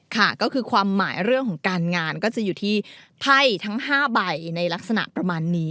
ค่ะก็คือความหมายเรื่องของการงานก็จะอยู่ที่ไพ่ทั้ง๕ใบในลักษณะประมาณนี้